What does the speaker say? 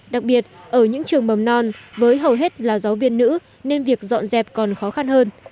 đặc biệt ở những trường mầm non với hầu hết là giáo viên nữ nên việc dọn dẹp còn khó khăn hơn